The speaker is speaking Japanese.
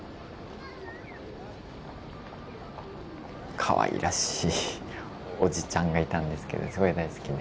かわいらしいおじちゃんがいたんですけどすごい大好きで。